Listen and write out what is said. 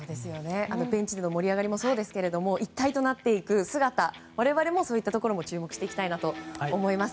ベンチの盛り上がりもそうですが一体となっていく姿我々もそういったところを注目していきたいと思います。